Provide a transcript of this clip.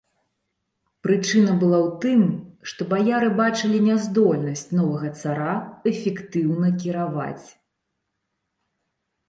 Прычына была ў тым, што баяры бачылі няздольнасць новага цара эфектыўна кіраваць.